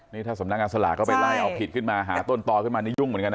นี่ถ้าสำนักงานสลากก็ไปไล่เอาผิดขึ้นมาหาต้นตอขึ้นมานี่ยุ่งเหมือนกันนะ